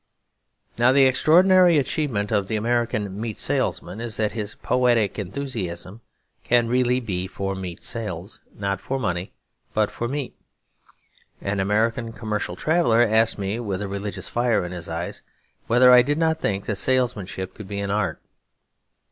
Now the extraordinary achievement of the American meat salesman is that his poetic enthusiasm can really be for meat sales; not for money but for meat. An American commercial traveller asked me, with a religious fire in his eyes, whether I did not think that salesmanship could be an art.